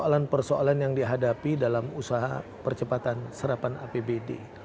persoalan persoalan yang dihadapi dalam usaha percepatan serapan apbd